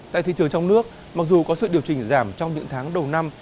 tại thị trường trong nước mặc dù có sự điều chỉnh giảm trong những tháng đầu năm